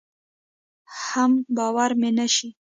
حم باور مې نشي.